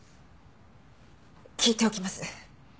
聞いておきます。